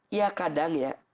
iya kadang ya